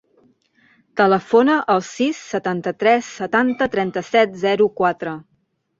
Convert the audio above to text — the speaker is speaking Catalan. Telefona al sis, setanta-tres, setanta, trenta-set, zero, quatre.